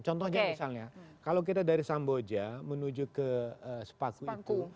contohnya misalnya kalau kita dari samboja menuju ke sepatu itu